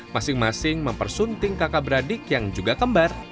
masing masing mempersunting kakak beradik yang juga kembar